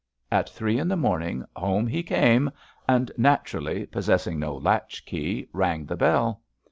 At three in the morning home he came, and, naturally, possessing no latch key, rang the bell.